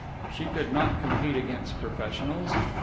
She could not compete against professionals.